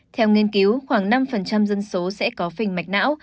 theo nghiên cứu khoảng năm dân số sẽ có phình mạch não